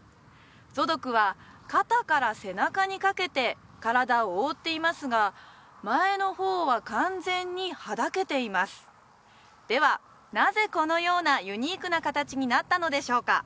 ゾドクは肩から背中にかけて体を覆っていますが前の方は完全にはだけていますではなぜこのようなユニークな形になったのでしょうか？